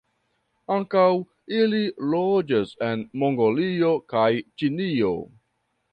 Ankaŭ ili loĝas en Mongolio kaj Ĉinio.